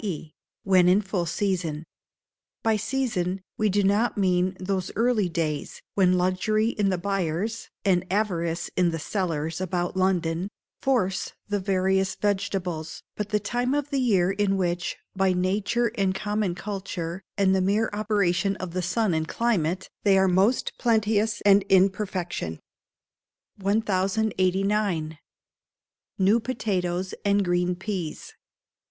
e., when in full season. By season, we do not mean those early days, when luxury in the buyers, and avarice in the sellers about London, force the various vegetables, but the time of the year in which, by nature and common culture, and the mere operation of the sun and climate, they are most plenteous and in perfection. 1089. New Potatoes and Green Peas.